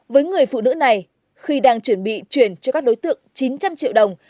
với người phụ nữ này khi đang chuẩn bị chuyển cho các đối tượng chín trăm linh triệu đồng